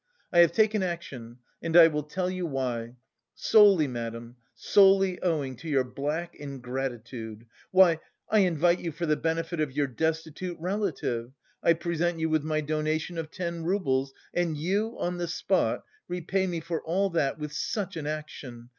I have taken action and I will tell you why: solely, madam, solely, owing to your black ingratitude! Why! I invite you for the benefit of your destitute relative, I present you with my donation of ten roubles and you, on the spot, repay me for all that with such an action.